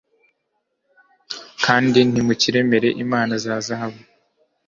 kandi ntimukiremere imana za zahabu